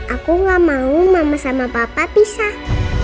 aku gak mau mama sama papa pisah